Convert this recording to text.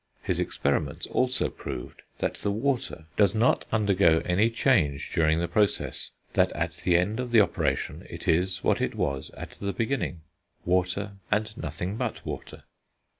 His experiments also proved that the water does not undergo any change during the process; that at the end of the operation it is what it was at the beginning water, and nothing but water.